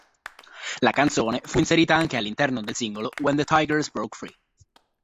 La canzone fu inserita anche all'interno del singolo "When the Tigers Broke Free".